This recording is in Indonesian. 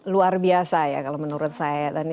luar biasa ya kalau menurut saya